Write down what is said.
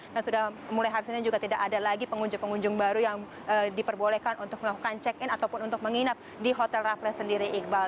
dan sudah mulai hari senin juga tidak ada lagi pengunjung pengunjung baru yang diperbolehkan untuk melakukan check in ataupun untuk menginap di hotel raffles sendiri iqbal